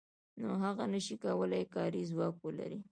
نو هغه نشي کولای چې کاري ځواک ولري